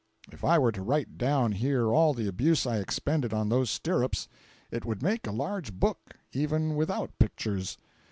If I were to write down here all the abuse I expended on those stirrups, it would make a large book, even without pictures.